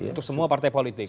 untuk semua partai politik